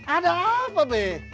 ada apa be